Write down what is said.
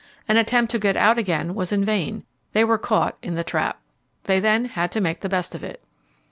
An attempt to get out again was in vain they were caught in the trap. They then had to make the best of it.